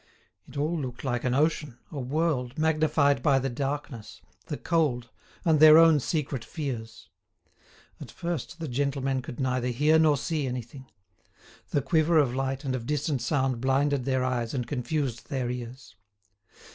It all looked like an ocean, a world, magnified by the darkness, the cold, and their own secret fears. At first the gentlemen could neither hear nor see anything. The quiver of light and of distant sound blinded their eyes and confused their ears.